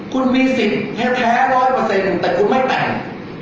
คุณมีสิทธิ์แท้๑๐๐แต่คุณไม่แต่ง